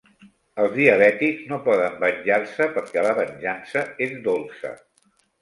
Els diabètics no poden venjar-se, perquè la venjança és dolça.